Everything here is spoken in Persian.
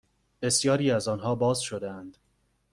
بسیاری از آنها باز شدهاند